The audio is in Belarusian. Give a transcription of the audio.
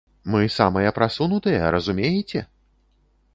Мы самыя прасунутыя, разумееце?